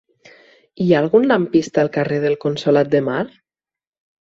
Hi ha algun lampista al carrer del Consolat de Mar?